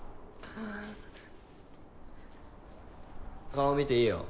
顔見ていいよ。